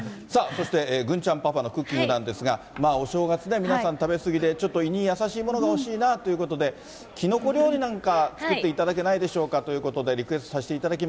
さあ、そして郡ちゃんパパのクッキングなんですが、お正月、皆さん食べ過ぎでちょっと胃に優しいものが欲しいなということで、きのこ料理なんか作っていただけないでしょうかということで、リ